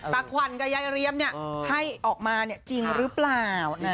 ตักขวันกระยะเลียมให้ออกมาจริงรึเปล่า